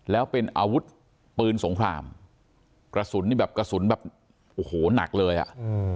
แล้วเป็นอาวุธปืนสงครามกระสุนนี่แบบกระสุนแบบโอ้โหหนักเลยอ่ะอืม